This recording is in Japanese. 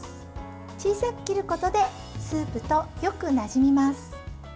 小さく切ることでスープとよくなじみます。